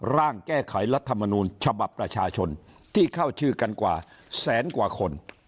ร่างแก้ไขรัฐมนูลฉบับประชาชนที่เข้าชื่อกันกว่าแสนกว่าคน